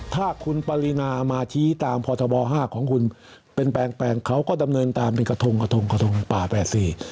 ถ้าคุณปรินามาชี้ตามพทบ๕ของคุณเป็นแปลงเขาก็ดำเนินตามเป็นกระทงป่าแปดสี่